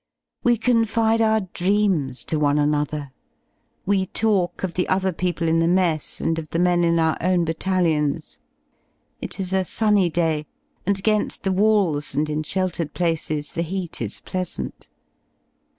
We confide our dreams to one another; we talk of the other people in the mess and of the men in our own battalions. It is a sunny day, and again^ the walls and in sheltered places the heat is pleasant.